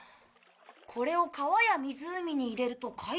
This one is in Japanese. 「これを川や湖に入れると海水になる」